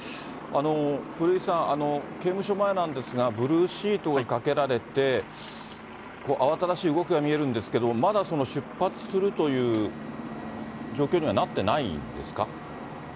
古井さん、刑務所前なんですが、ブルーシートがかけられて、慌ただしい動きが見えるんですけれども、まだ出発するという状況